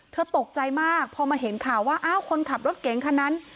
ตกใจมากพอมาเห็นข่าวว่าอ้าวคนขับรถเก๋งคันนั้น